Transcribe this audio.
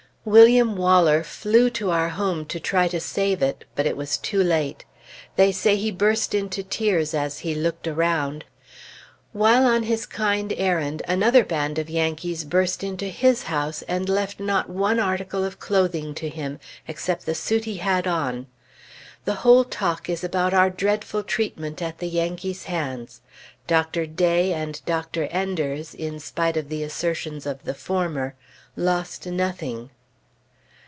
William Waller flew to our home to try to save it; but was too late. They say he burst into tears as he looked around. While on his kind errand, another band of Yankees burst into his house and left not one article of clothing to him, except the suit he had on. The whole talk is about our dreadful treatment at the Yankees' hands. Dr. Day, and Dr. Enders, in spite of the assertions of the former, lost nothing.